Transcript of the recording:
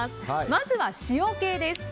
まずは塩系です。